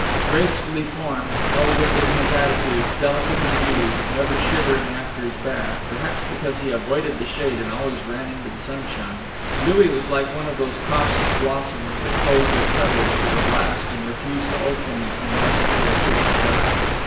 Gracefully formed, elegant in his attitudes, delicate in hue, never shivering after his bath, perhaps because he avoided the shade and always ran into the sunshine, Louis was like one of those cautious blossoms that close their petals to the blast and refuse to open unless to a clear sky.